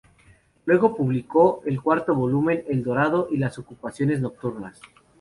Luego publicó el cuarto volumen, "El dorado y las ocupaciones nocturnas".